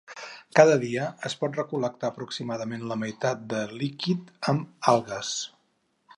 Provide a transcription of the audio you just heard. Cada dia es pot recol·lectar aproximadament la meitat de líquid amb algues.